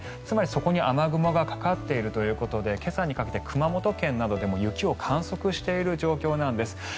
つまりそこに雨雲がかかっているということで今朝にかけて熊本県などでも雪を観測している状況なんです。